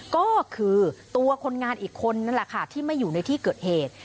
ก็คือตัวคนงานอีกคนนั่นแหละค่ะที่ไม่อยู่ในที่เกิดเหตุ